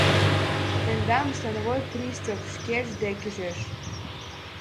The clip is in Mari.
— Тендам становой пристав шкеж дек ӱжеш.